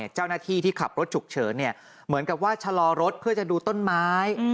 เจ้าหน้าที่ที่ขับรถฉุกเฉินเหมือนกับว่าชะลอรถเพื่อจะดูต้นไม้